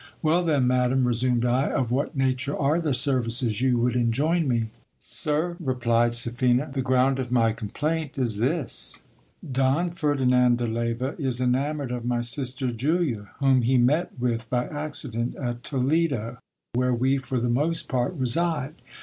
Well, then, madam, resumed I, of what nature are the services you would enjoin me ? Sir, replied Seraphina, the ground of my complaint is this : Don Ferdinand de Leyva is enamoured of my sister Julia, whom he met with by accident at Toledo, where we for the most part reside.